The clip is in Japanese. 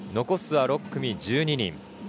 残すは６組１２人。